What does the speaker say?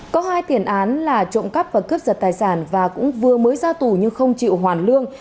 có hai tiền án là trộm cắp và cướp giật tài sản và cũng vừa mới ra tù nhưng không chịu hoàn lương